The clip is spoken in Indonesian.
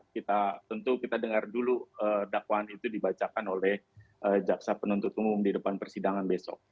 kita tentu kita dengar dulu dakwaan itu dibacakan oleh jaksa penuntut umum di depan persidangan besok